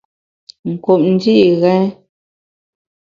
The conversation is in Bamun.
Nkup ndi’ ghèn.